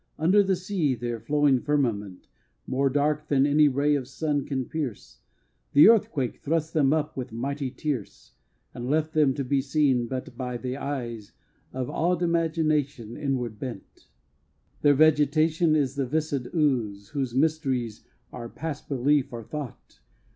Under the sea, their flowing firmament, More dark than any ray of sun can pierce, The earthquake thrust them up with mighty tierce And left them to be seen but by the eyes Of awed imagination inward bent. Their vegetation is the viscid ooze, Whose mysteries are past belief or thought.